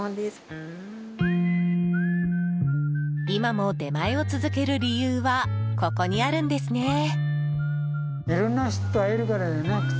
今も出前を続ける理由はここにあるんですね。